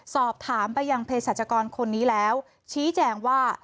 สอบถามไปยังเพศรัชกรคนนี้แล้วชี้แจงว่า